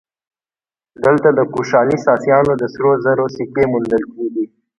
دلته د کوشاني ساسانیانو د سرو زرو سکې موندل کېږي